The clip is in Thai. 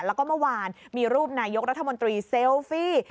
แล้วก็เมื่อวานมีรูปนายกรัฐมนตรีเซลฟี่